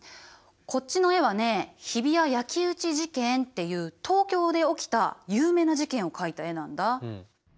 こっちの絵はね日比谷焼き打ち事件っていう東京で起きた有名な事件を描いた絵なんだ。